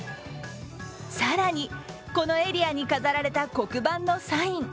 更に、このエリアに飾られた黒板のサイン。